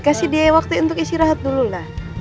kasih dia waktu untuk istirahat dulu lah